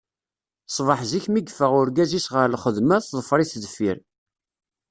Ṣṣbeḥ zik mi yeffeɣ urgaz-is ɣer lxedma, teḍfer-it deffir.